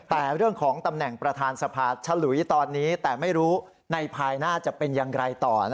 แต่เรื่องของตำแหน่งประธานสภาฉลุยตอนนี้แต่ไม่รู้ในภายหน้าจะเป็นอย่างไรต่อ